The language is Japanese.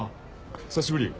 久しぶり。